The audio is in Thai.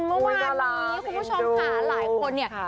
เมื่อวานทีครับว่าช้องผ่านหลายคนเนี่ย